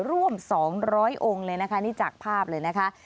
ร่วม๒๐๐องค์เลยนะคะนี่จากภาพเลยนะคะ